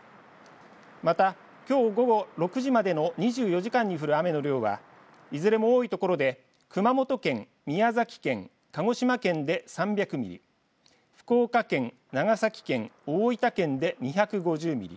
また、きょう午後６時までの２４時間に降る雨の量はいずれも多い所で熊本県、宮崎県鹿児島県で３００ミリ福岡県、長崎県、大分県で２５０ミリ